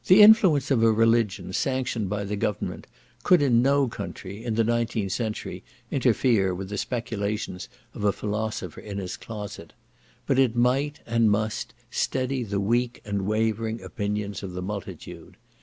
The influence of a religion, sanctioned by the government, could in no country, in the nineteenth century, interfere with the speculations of a philosopher in his closet, but it might, and must, steady the weak and wavering opinions of the multitude.